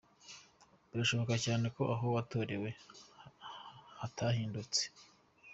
Birashoboka cyane ko aho watoreye hatahindutse.